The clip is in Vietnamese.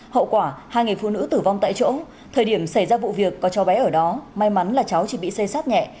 hậu quả hai người phụ nữ tử vong tại chỗ thời điểm xảy ra vụ việc có cho bé ở đó may mắn là cháu chỉ bị xây sát nhẹ